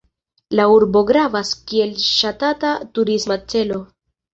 La urbo gravas kiel ŝatata turisma celo.